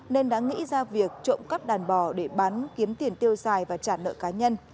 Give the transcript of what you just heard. nên đã nghĩ ra việc trộm cắp đàn bò để bán kiếm tiền tiêu xài và trả nợ cá nhân